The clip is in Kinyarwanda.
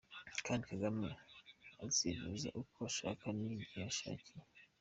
Kandi Kagame azivuza uko ashaka n’igihe ashakiye.